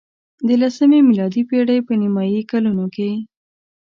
د لسمې میلادي پېړۍ په نیمايي کلونو کې.